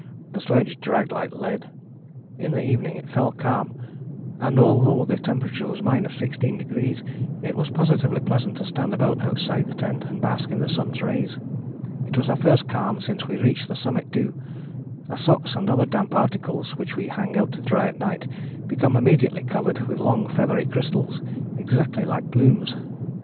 The sledge dragged like lead. In the evening it fell calm, and although the temperature was 16° it was positively pleasant to stand about outside the tent and bask in the sun's rays. It was our first calm since we reached the summit too. Our socks and other damp articles which we hang out to dry at night become immediately covered with long feathery crystals exactly like plumes.